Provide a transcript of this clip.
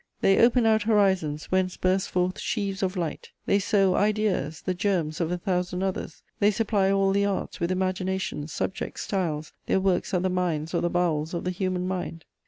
They open out horizons whence burst forth sheaves of light; they sow ideas, the germs of a thousand others; they supply all the arts with imaginations, subjects, styles: their works are the mines or the bowels of the human mind.